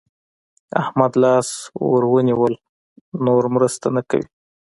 احمد لاس ور ونيول؛ نور مرسته نه کوي.